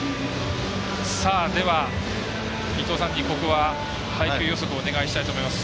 では、伊東さんにここは配球予測お願いしたいと思います。